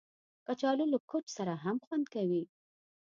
کچالو له کوچ سره هم خوند کوي